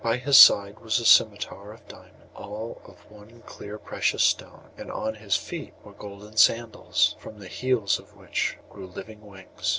By his side was a scimitar of diamond, all of one clear precious stone, and on his feet were golden sandals, from the heels of which grew living wings.